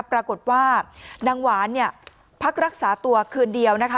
ปรากฏว่านางหวานเนี่ยพักรักษาตัวคืนเดียวนะคะ